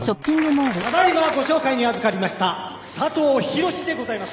ただ今ご紹介にあずかりました佐藤寛でございます。